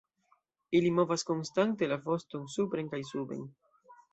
Ili movas konstante la voston supren kaj suben.